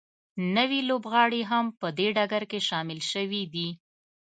نوي لوبغاړي هم په دې ډګر کې شامل شوي دي